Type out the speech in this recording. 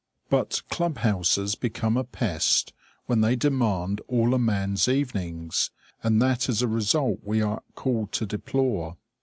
But club houses become a pest when they demand all a man's evenings; and that is a result we are called to deplore.